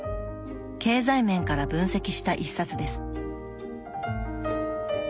経済面から分析した一冊です。